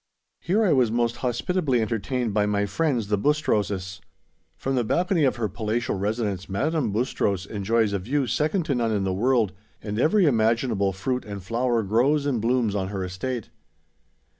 Here I was most hospitably entertained by my friends, the Bustroses. From the balcony of her palatial residence Madame Bustros enjoys a view second to none in the world, and every imaginable fruit and flower grows and blooms on her estate.